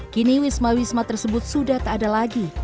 kini wisma wisma tersebut sudah tak ada lagi